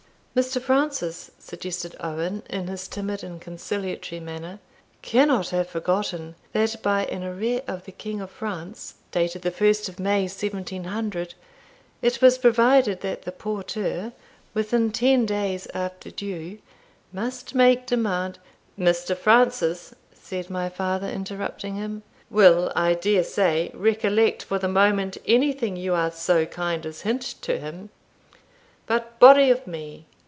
"Mr. Francis," suggested Owen, in his timid and conciliatory manner, "cannot have forgotten, that by an arret of the King of France, dated 1st May 1700, it was provided that the porteur, within ten days after due, must make demand" "Mr. Francis," said my father, interrupting him, "will, I dare say, recollect for the moment anything you are so kind as hint to him. But, body o' me!